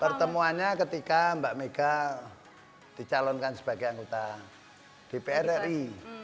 pertemuannya ketika mbak mega dicalonkan sebagai anggota dpr ri